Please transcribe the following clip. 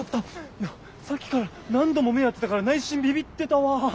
いやさっきから何度も目合ってたから内心ビビッてたわ。